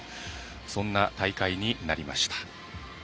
そんな大会になりました。